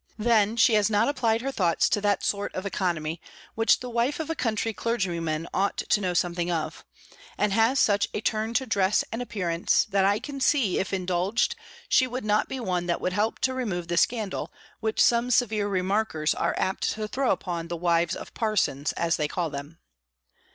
Then, she has not applied her thoughts to that sort of economy, which the wife of a country clergyman ought to know something of; and has such a turn to dress and appearance, that I can see, if indulged, she would not be one that would help to remove the scandal which some severe remarkers are apt to throw upon the wives of parsons, as they call them.